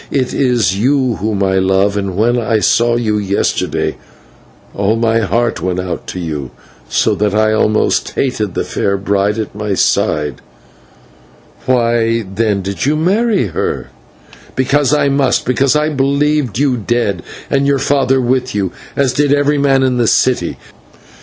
It is you whom I love, and when I saw you yesterday all my heart went out to you, so that I almost hated the fair bride at my side." "Why, then, did you marry her?" "Because I must, and because I believed you dead, and your father with you, as did every man in the city.